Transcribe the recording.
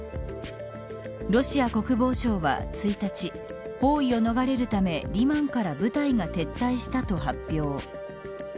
ロシア国防省は１日包囲を逃れるため、リマンから部隊が撤退したと発表。